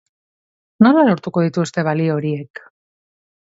Nola lortuko dituzte balio horiek?